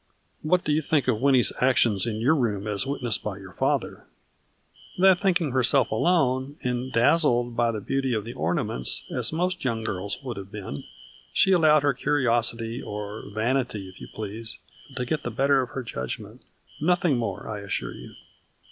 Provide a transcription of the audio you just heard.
" What do you think of Winnie's actions in your room as witnessed by your father ?" A FLURRY IX DIAMONDS. 45 " That thinking herself alone, and dazzled by the beauty of the ornaments' as most young girls would have been, she allowed her curiosity, or vanity if you please, to get the better of her judgment. Nothing more, I assure you."